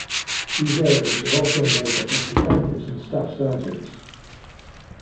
These areas are also made up of detectives and staff sergeants.